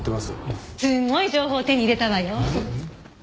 すごい情報手に入れたわよ。